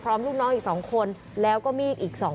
เพราะถูกทำร้ายเหมือนการบาดเจ็บเนื้อตัวมีแผลถลอก